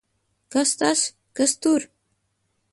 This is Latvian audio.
Kas tas! Kas tur!